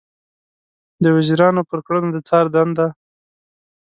د وزیرانو پر کړنو د څار دنده